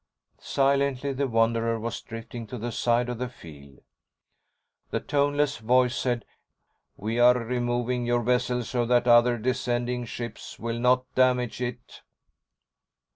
Silently, the Wanderer was drifting to the side of the field. The toneless voice said: "We are removing your vessel so that other descending ships will not damage it."